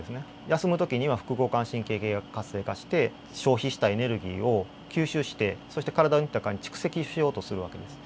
休むときには副交感神経系が活性化して消費したエネルギーを吸収してそして体の中に蓄積しようとする訳です。